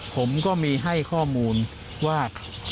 ผมก็มีให้ข้อมูลว่า